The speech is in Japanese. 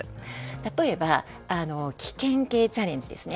例えば、危険系チャレンジですね。